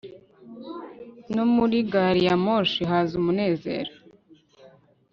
no muri gari ya moshi haza umunezero